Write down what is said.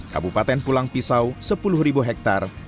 kabupaten pulang pisau sepuluh ribu hektare